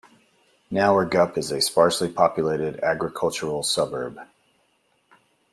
Nowergup is a sparsely populated agricultural suburb.